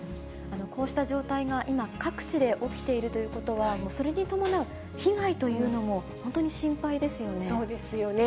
こうした状態が今、各地で起きているということは、もうそれに伴う被害というのも、本当に心配ですよね。